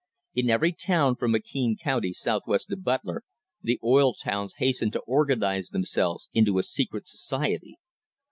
In every town from McKean County southwest to Butler the oil towns hastened to organise themselves into a secret society.